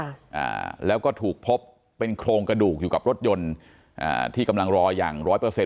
อ่าแล้วก็ถูกพบเป็นโครงกระดูกอยู่กับรถยนต์อ่าที่กำลังรออย่างร้อยเปอร์เซ็